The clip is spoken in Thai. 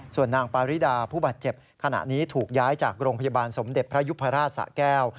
ส่วนนางปาริดาผู้บาดเจ็บขณะนี้ถูกย้ายจากโรงพยาบาลสมเด็จพระยุพราชสะแก้ว